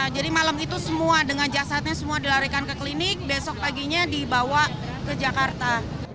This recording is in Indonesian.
jadi malam itu semua dengan jasadnya semua dilarikan ke klinik besok paginya dibawa ke jakarta